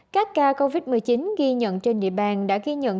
các ca covid một mươi chín ghi nhận trên địa bàn đã ghi nhận